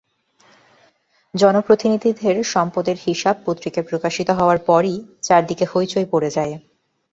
জনপ্রতিনিধিদের সম্পদের হিসাব পত্রিকায় প্রকাশিত হওয়ার পরই চারদিকে হইচই পড়ে যায়।